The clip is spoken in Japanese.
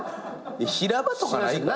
平場とかないから。